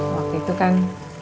waktu itu kan